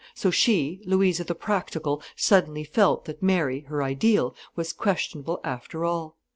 So she, Louisa the practical, suddenly felt that Mary, her ideal, was questionable after all.